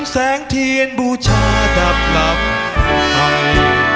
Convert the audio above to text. แสงเทียนบูชาจะกลับให้